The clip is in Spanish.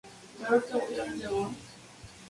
Goya ha recibido varios importantes premios.